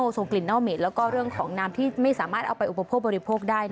ส่งกลิ่นเน่าเหม็นแล้วก็เรื่องของน้ำที่ไม่สามารถเอาไปอุปโภคบริโภคได้